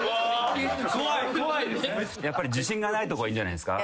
やっぱり地震がないとこがいいんじゃないですか？